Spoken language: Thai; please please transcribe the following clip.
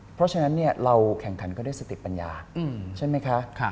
เพราะฉะนั้นเราแข่งขันกันด้วยสติปัญญาใช่ไหมคะ